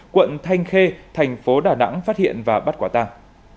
quận thanh khê thành phố đà nẵng phát hiện và bắt quả tàng